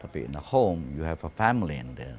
tapi di rumah kita memiliki keluarga